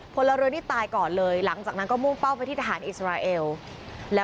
พลเรือนี่ตายก่อนเลยหลังจากนั้นก็มุ่งเป้าไปที่ทหารอิสราเอล